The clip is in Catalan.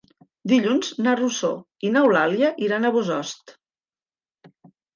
Dilluns na Rosó i n'Eulàlia iran a Bossòst.